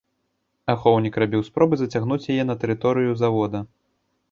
Ахоўнік рабіў спробы зацягнуць яе на тэрыторыю завода.